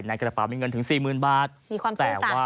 ในกระเป๋ามีเงินถึง๔๐๐๐บาท